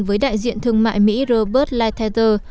với đại diện thương mại mỹ robert lighthizer